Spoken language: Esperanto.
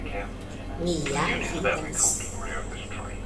Mi ja vidas.